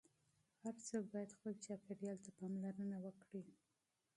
هر څوک باید خپل چاپیریال ته پاملرنه وکړي.